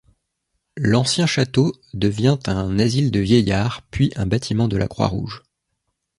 L'ancien château devient un asile de vieillards, puis un bâtiment de la Croix-Rouge.